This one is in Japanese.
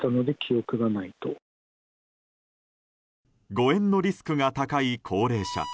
誤嚥のリスクが高い高齢者。